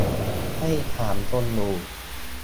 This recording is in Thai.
ให้ถามคนอยู่